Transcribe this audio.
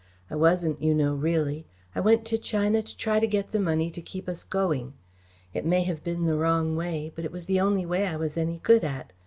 I wasn't, you know, really. I went to China to try to get the money to keep us going. It may have been the wrong way, but it was the only way I was any good at.